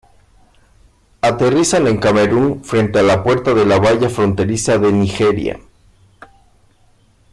Aterrizan en Camerún, frente a la puerta de la valla fronteriza de Nigeria.